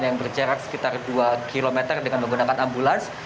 yang berjarak sekitar dua km dengan menggunakan ambulans